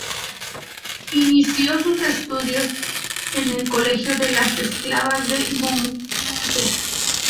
Inició sus estudios en el colegio de las esclavas de Moguer.